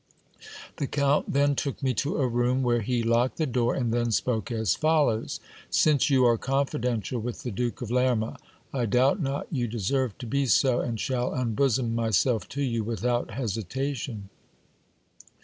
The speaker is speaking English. The count then took me to a room, where he locked the door, and then spoke as follows : Since you are confidential with the Duke of Lerma, I doubt not you deserve to be so, and shall unbosom my self to you without hesitation.